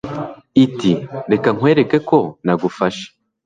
iti «reka nkwereke ko nagufashe»